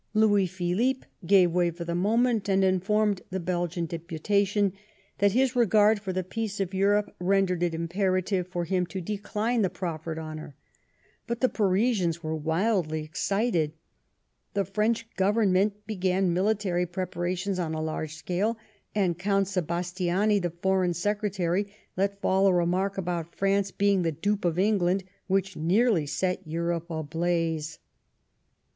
Louis Philippe gave way for the moment, and informed the Belgian depntation that his regard for the peace of Europe rendered it imperative for him to decline the proffered honour; but the Parisians were wildly excited^ the French Government began military preparations on a large scale, and Oount Sebastiani, the Foreign Secretary, let fall a remark about France being the dupe of England, which nearly set Europe ablaze.